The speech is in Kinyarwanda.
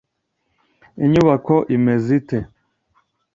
Inyubako imeze ite?